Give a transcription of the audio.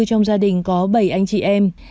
trong gia đình có bảy anh chị em